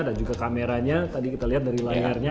dan juga kameranya tadi kita lihat dari layarnya